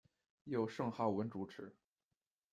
由盛浩文主持。